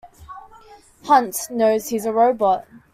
Hunt, knows he is a robot.